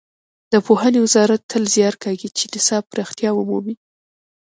د پوهنې وزارت تل زیار کاږي چې نصاب پراختیا ومومي.